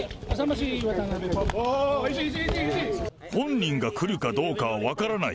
本人が来るかどうかは分からない。